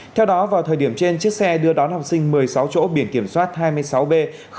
theo đó vào thời điểm trên chiếc xe đưa đón học sinh một mươi sáu chỗ biển kiểm soát hai mươi sáu b bảy trăm linh một